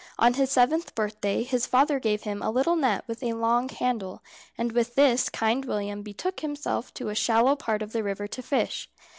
On his seventh birthday his father gave him a little net with a long handle, and with this Kind William betook himself to a shallow part of the river to fish.